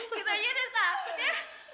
kita aja udah takut ya